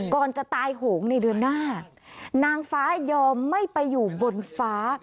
ก่อนจะตายโหงในเดือนหน้านางฟ้ายอมไม่ไปอยู่บนฟ้า